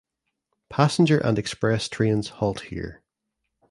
Passenger and express trains halt here.